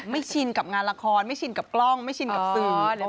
ชินกับงานละครไม่ชินกับกล้องไม่ชินกับสื่อ